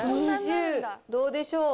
２０、どうでしょう。